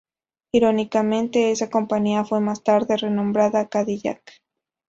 Irónicamente esa compañía fue más tarde renombrada Cadillac.